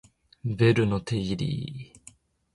ベルの定理